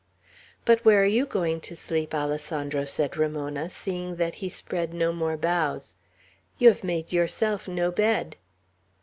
"But where are you going to sleep, Alessandro?" said Ramona, seeing that he spread no more boughs. "You have made yourself no bed."